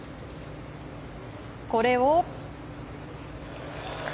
これを。